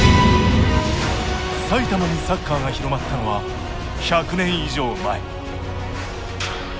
埼玉にサッカーが広まったのは１００年以上前。